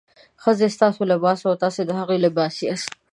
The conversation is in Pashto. ښځې ستاسو لباس او تاسې د هغوی لباس یاست.